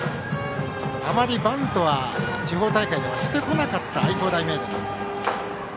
あまりバントは地方大会ではしてこなかった愛工大名電。